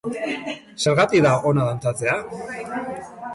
Zergatik da ona dantzatzea?